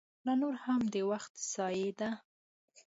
لا نوره هم د وخت ضایع ده.